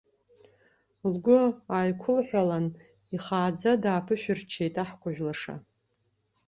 Лгәы ааиқәылҳәалан, ихааӡа дааԥышәырччеит аҳкәажә лаша.